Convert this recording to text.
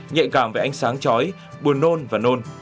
nhạy cảm với ánh sáng trói buồn nôn và nôn